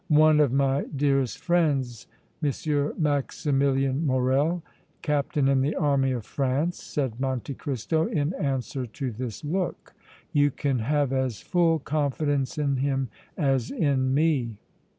"One of my dearest friends, M. Maximilian Morrel, Captain in the Army of France," said Monte Cristo, in answer to this look. "You can have as full confidence in him as in me."